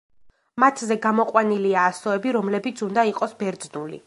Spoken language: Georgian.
მათზე გამოყვანილია ასოები, რომლებიც უნდა იყოს ბერძნული.